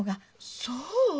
そう？